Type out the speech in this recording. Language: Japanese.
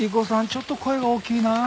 ちょっと声が大きいなあ。